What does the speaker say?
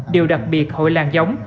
điều đặc biệt hội làng giống